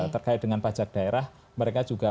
terkait dengan pajak daerah mereka juga